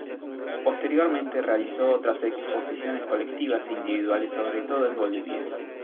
Posteriormente realizó otras exposiciones colectivas e individuales sobre todo en Bolivia.